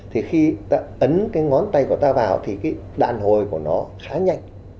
thì khi ta ấn cái ngón tay của ta vào thì cái đàn hồi của nó khá nhanh